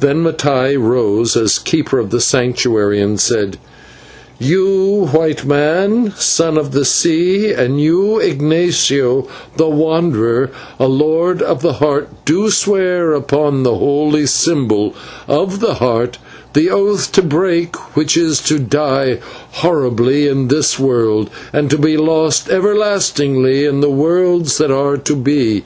Then Mattai rose, as Keeper of the Sanctuary, and said: "You, White Man, Son of the Sea, and you, Ignatio, the Wanderer, a Lord of the Heart, do swear upon the holy symbol of the Heart, the oath to break which is to die horribly in this world and to be lost everlastingly in the worlds that are to be.